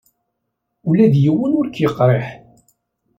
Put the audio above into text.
Ula d yiwen ur k-yekṛih.